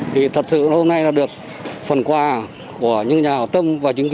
thì thật sự hôm nay được phần quà của những nhà hảo tâm